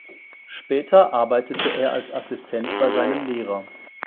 Später arbeitete er als Assistent bei seinem Lehrer.